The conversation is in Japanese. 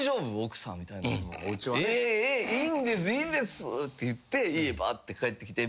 「ええええいいんですいいんです」って言って家ばーって帰ってきて。